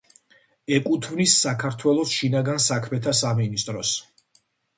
ეკუთვნის საქართველოს შინაგან საქმეთა სამინისტროს.